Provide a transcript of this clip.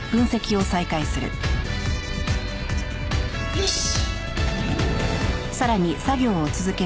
よし！